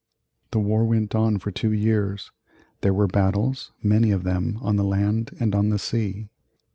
The war went on for two years; there were battles, many of them, on the land and on the sea.